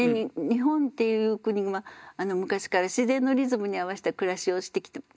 日本っていう国は昔から自然のリズムに合わせた暮らしをしてきました。